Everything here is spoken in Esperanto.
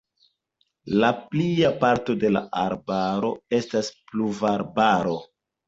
La plia parto de la arbaro estas pluvarbaro.